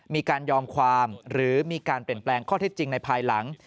มีการยอมความหรือมีการเปลี่ยนแปลงข้อเท็จจริงในภายหลัง